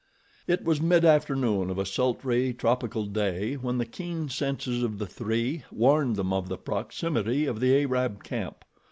It was mid afternoon of a sultry, tropical day when the keen senses of the three warned them of the proximity of the Arab camp.